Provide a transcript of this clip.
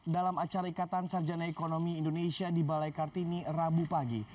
dalam acara ikatan sarjana ekonomi indonesia di balai kartini rabu pagi